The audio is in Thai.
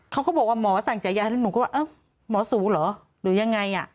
เขาก็บอกว่าหมอสั่งจ่ายยาให้แล้วหมอสูติเหรอหรือยังไง